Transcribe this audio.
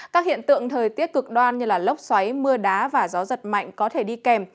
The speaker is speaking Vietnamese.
các hiện tượng thời tiết cực đoan như lốc xoáy mưa đá và gió giật mạnh có thể đi kèm